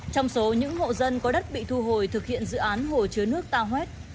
trong số những hộ dân có đất bị thu hồi thực hiện dự án hồ chứa nước ta hoét